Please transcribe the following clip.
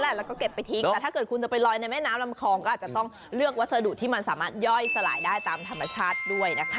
แล้วก็เก็บไปทิ้งแต่ถ้าเกิดคุณจะไปลอยในแม่น้ำลำคองก็อาจจะต้องเลือกวัสดุที่มันสามารถย่อยสลายได้ตามธรรมชาติด้วยนะคะ